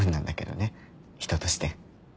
人として。